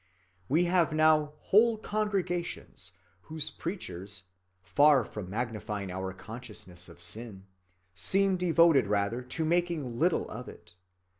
We have now whole congregations whose preachers, far from magnifying our consciousness of sin, seem devoted rather to making little of it.